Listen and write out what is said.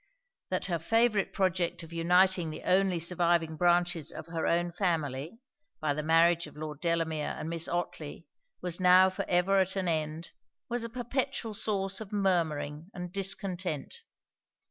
That her favourite project of uniting the only surviving branches of her own family, by the marriage of Lord Delamere and Miss Otley, was now for ever at an end, was a perpetual source of murmuring and discontent.